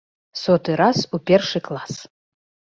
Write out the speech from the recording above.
Соты раз у першы клас!